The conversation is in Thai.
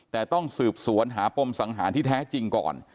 แต่ต้องสืบสวนหาปมสังหารที่แท้จริงก่อน